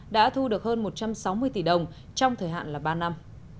đã thu được hơn một trăm sáu mươi tỷ đồng trong thời hạn ba năm